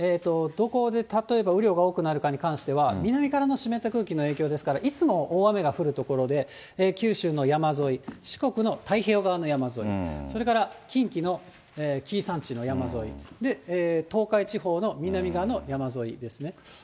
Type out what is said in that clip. どこで、例えば雨量が多くなるかに関しては、南からの湿った空気の影響ですから、いつも大雨が降る所で九州の山沿い、四国の太平洋側の山沿い、それから近畿の紀伊山地の山沿い、東海地方の南側の山沿いですね。